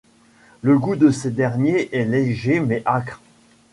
Le goût de ces derniers est léger mais âcre.